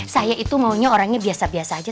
saya itu maunya orangnya biasa biasa aja